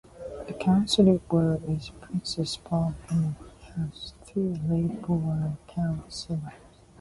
The council ward is Princes Park, and has three Labour councillors.